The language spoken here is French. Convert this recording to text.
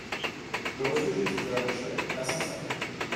Le refuge était la Rochelle, à cent cinquante lieues.